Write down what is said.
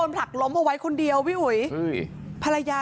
กลับมารับทราบ